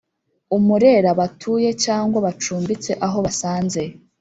Umurera batuye cyangwa bacumbitse aho basanze